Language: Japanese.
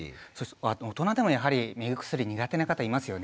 大人でもやはり目薬苦手な方いますよね。